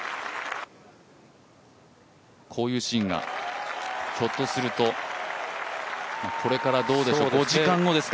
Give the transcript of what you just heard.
こういうシーンが、ひょっとするとこれからどうでしょう５時間後ですか。